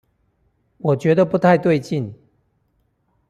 我覺得不太對勁